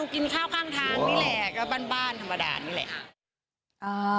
กินข้าวข้างทางนี่แหละก็บ้านธรรมดานี่แหละ